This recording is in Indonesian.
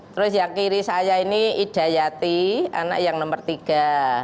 terus yang kiri saya ini idayati anak yang nomor tiga